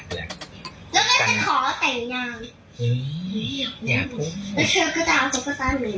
อยู่เหมือนกันแหละ